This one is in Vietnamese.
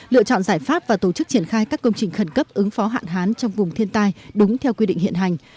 lựa chọn giải pháp và tổ chức triển khai các công trình khẩn cấp ứng phó hạn hán trong vùng thiên tai đúng theo quy định hiện hành